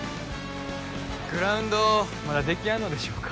グラウンドまだできやんのでしょうか